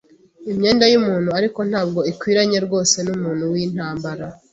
imyenda y'umuntu, ariko ntabwo ikwiranye rwose numuntu wintambara.